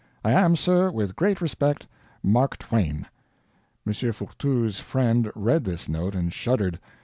I am, sir, with great respect, Mark Twain. M. Fourtou's friend read this note, and shuddered.